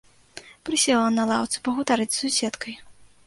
Прысела на лаўцы пагутарыць з суседкай.